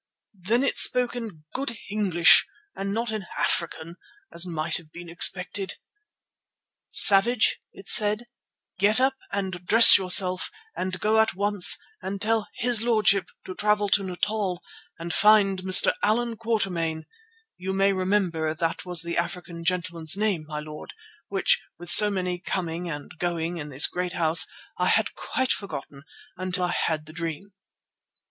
Then it spoke in good English and not in African as might have been expected. "'"Savage," it said, "get up and dress yourself and go at once and tell his lordship to travel to Natal and find Mr. Allan Quatermain" (you may remember that was the African gentleman's name, my lord, which, with so many coming and going in this great house, I had quite forgotten, until I had the dream).